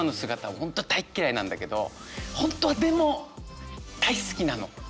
本当は大っ嫌いなんだけど本当はでも大好きなの。